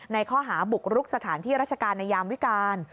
ข้อหาบุกรุกสถานที่ราชการในยามวิการ